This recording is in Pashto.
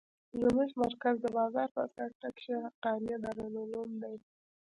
زموږ مرکز د بازار په څنډه کښې حقانيه دارالعلوم دى.